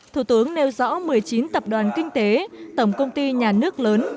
thủ tướng nêu rõ một mươi chín tập đoàn kinh tế tổng công ty nhà nước lớn